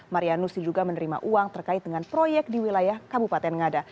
marianus diduga menerima uang terkait dengan proyek di wilayah kabupaten ngada